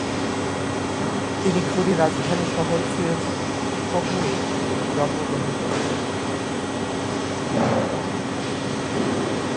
তিনি ঘুরি রাজধানী শহর ফিরোজকোহে জন্মগ্রহণ করেছিলেন।